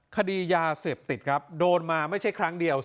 คดียาเสพติดครับโดนมาไม่ใช่ครั้งเดียว